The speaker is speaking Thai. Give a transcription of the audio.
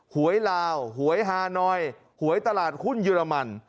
หวยลาวหวยฮานอยหวยตลาดหุ้นเยอรมัน